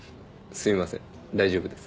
すいません大丈夫です。